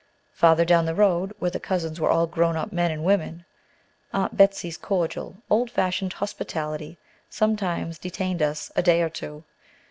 Farther down the road, where the cousins were all grown up men and women, Aunt Betsey's cordial, old fashioned hospitality sometimes detained us a day or two.